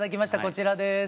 こちらです。